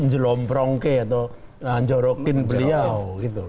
jelom prongke atau jorokin beliau